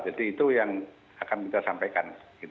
jadi itu yang akan kita sampaikan